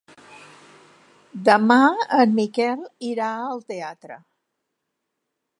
Demà en Miquel irà al teatre.